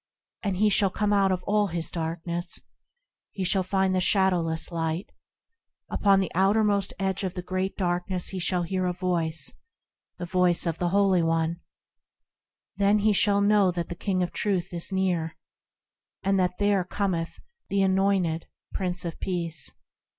And he shall come out of all his darkness, He shall find the Shadowless Light. Upon the outermost edge of the Great Darkness he shall hear a Voice, The Voice of the Holy One, Then shall he know that the King of Truth is near, And that there cometh the anointed Prince of Peace.